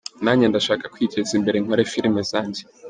Nanjye ndashaka kwiteza imbere nkore film zanjye.